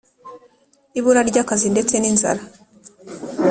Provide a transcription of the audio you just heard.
ibura ry’ akazi, ndetse n’ inzara.